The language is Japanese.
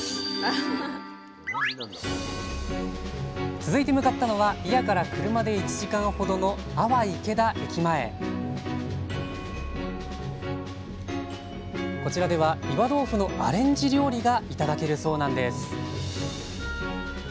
続いて向かったのは祖谷から車で１時間ほどの阿波池田駅前こちらでは岩豆腐のアレンジ料理が頂けるそうなんです